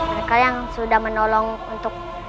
mereka yang sudah menolong untuk